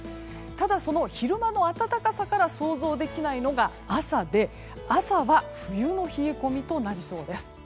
ただ、その昼間の暖かさから想像できないのが朝で朝は冬の冷え込みとなりそうです。